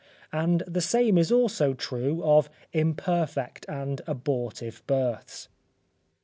And the same is also true of imperfect and abortive births.